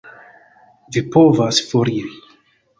Vi povas foriri.